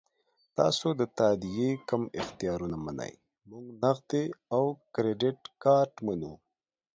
تاسو د تادیې کوم اختیارونه منئ؟ موږ نغدي او کریډیټ کارت منو.